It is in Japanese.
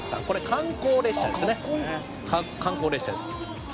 「これ観光列車ですね」